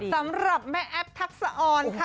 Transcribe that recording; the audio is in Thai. สำหรับแม่แอฟทักษะออนค่ะ